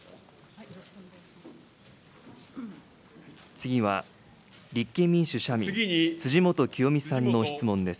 次は立憲民主・社民、辻元清美さんの質問です。